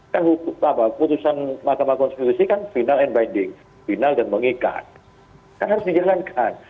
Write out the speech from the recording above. kan putusan mahkamah konstitusi kan final and binding final dan mengikat kan harus dijalankan